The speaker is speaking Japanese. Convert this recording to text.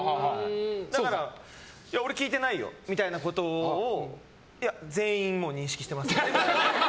だから、いや俺聞いてないよみたいなことを全員、もう認識してますね。